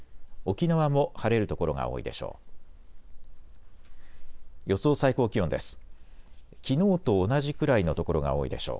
沖縄も晴れる所が多いでしょう。